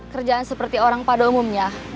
kerjaan seperti orang pada umumnya